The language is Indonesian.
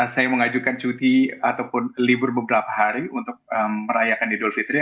saya mengajukan cuti ataupun libur beberapa hari untuk merayakan idul fitri